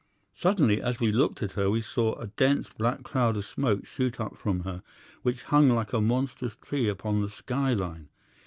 Suddenly as we looked at her we saw a dense black cloud of smoke shoot up from her, which hung like a monstrous tree upon the sky line.